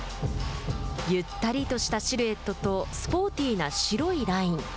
ゆったりとしたシルエットとスポーティーな白いライン。